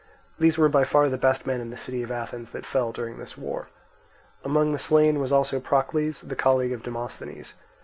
These were by far the best men in the city of Athens that fell during this war. Among the slain was also Procles, the colleague of Demosthenes.